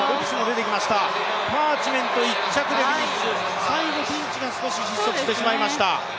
パーチメント１着でフィニッシュ、最後ティンチが失速してしまいました。